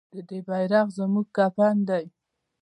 د دې بیرغ زموږ کفن دی